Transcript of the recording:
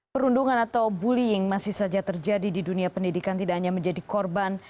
perundungan atau bullying masih saja terjadi di dunia pendidikan tidak hanya menjadi korban